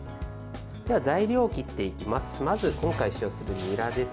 では材料を切っていきます。